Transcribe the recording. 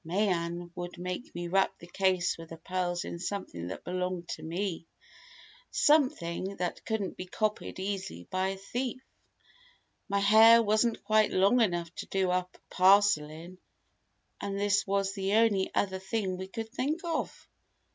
"Mayen would make me wrap the case with the pearls in something that belonged to me something that couldn't be copied easily by a thief. My hair wasn't quite long enough to do up a parcel in, and this was the only other thing we could think of!"